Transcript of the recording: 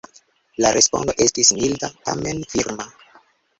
La respondo estis milda, tamen firma.